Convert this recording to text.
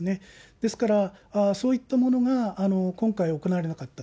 ですから、そういったものが今回行われなかった。